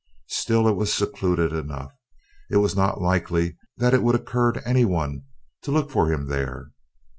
Still it was secluded enough; it was not likely that it would occur to anyone to look for him there.